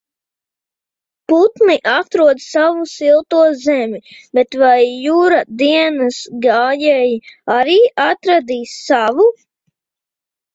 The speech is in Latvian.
Putni atrod savu silto zemi, bet vai Jura dienas gājēji arī atradīs savu?